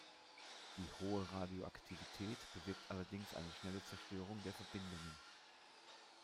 Die hohe Radioaktivität bewirkt allerdings eine schnelle Zerstörung der Verbindungen.